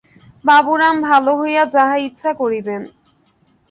বাবুরাম ভাল হইয়া যাহা ইচ্ছা করিবেন।